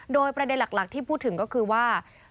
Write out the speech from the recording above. โดยประเด็นหลักที่พูดถึงก็คือว่า